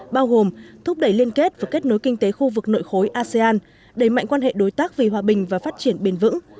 bao gồm thúc đẩy liên kết và kết nối kinh tế khu vực nội khối asean đẩy mạnh quan hệ đối tác vì hòa bình và phát triển bền vững